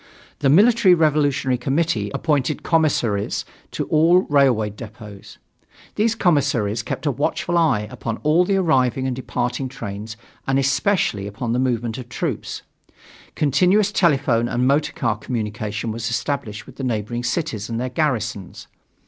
The Military Revolutionary Committee appointed commissaries to all railroad depots. These commissaries kept a watchful eye upon all the arriving and departing trains and especially upon the movements of troops. Continuous telephone and motor car communication was established with the neighboring cities and their garrisons.